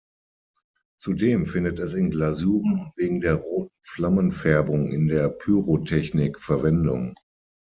Zudem findet es in Glasuren und wegen der roten Flammenfärbung in der Pyrotechnik Verwendung.